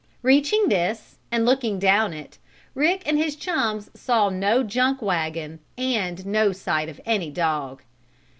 Reaching this, and looking down it, Rick and his chums saw no junk wagon, and no sight of any dog.